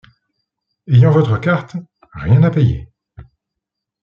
Ayant votre carte, rien à payer.